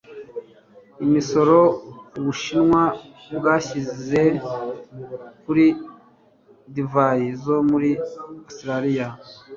Imisoro u Bushinwa bwashyize kuri divayi zo muri Australia